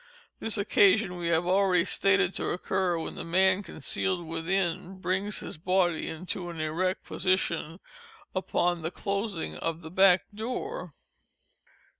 This occasion we have already stated to occur when the man concealed within brings his body into an erect position upon the closing of the back door.